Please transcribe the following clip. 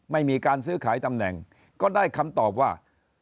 ไม่มีการซื้อขายตำแหน่งก็ได้คำตอบว่า